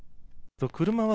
車は、